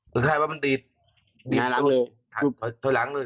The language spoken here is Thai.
คือแค่ว่ามันตีดถอยหลังเลย